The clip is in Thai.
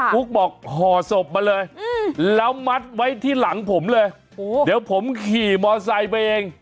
ุ๊กบอกห่อศพมาเลยแล้วมัดไว้ที่หลังผมเลยเดี๋ยวผมขี่มอไซค์ไปเอง